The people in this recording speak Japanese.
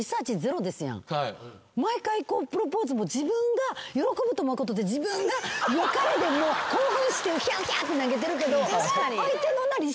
毎回プロポーズも自分が喜ぶと思うことで自分が良かれで興奮してうひゃうひゃって投げてるけど。